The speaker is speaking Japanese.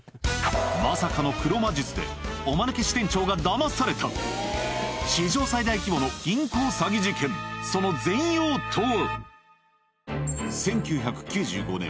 まさかの黒魔術でおマヌケ支店長がダマされた史上最大規模の銀行詐欺事件その全容とは？